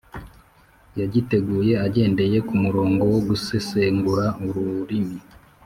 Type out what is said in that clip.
Yagiteguye agendeye ku murongo wo gusesengura ururimi